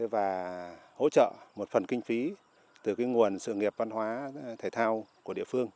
và hỗ trợ một phần kinh phí từ nguồn sự nghiệp văn hóa thể thao của địa phương